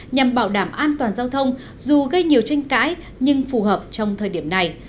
nhằm bảo đảm an toàn giao thông dù gây nhiều tranh cãi nhưng phù hợp trong thời điểm này